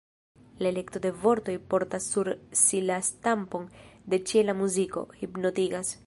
La elekto de vortoj portas sur si la stampon de ĉiela muziko, hipnotigas.